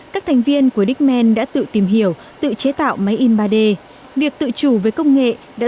các thành viên của diemen đã tự tìm hiểu tự chế tạo máy in ba d việc tự chủ với công nghệ đã